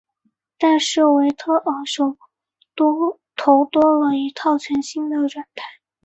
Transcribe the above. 但是维特尔手头多了一套全新的软胎。